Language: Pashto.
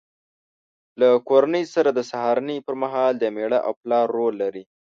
له کورنۍ سره د سهارنۍ پر مهال د مېړه او پلار رول لري.